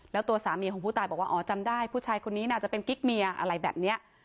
แล้วตัวสามีของผู้ตายบอกว่าอ๋อจำได้ผู้ชายคนนี้น่าจะเป็นกิ๊กเมียอะไรแบบนี้